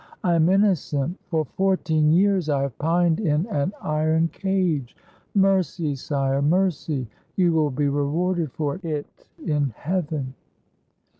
I am inno cent. For fourteen years I have pined in an iron cage. Mercy, sire! mercy! You will be rewarded for it in heaven."